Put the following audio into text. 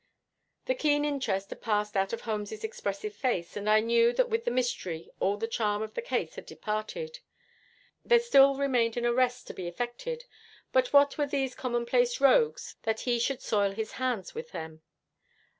The keen interest had passed out of Holmes's expressive face, and I knew that with the mystery all the charm of the case had departed. There still remained an arrest to be effected, but what were these commonplace rogues that he should soil his hands with them?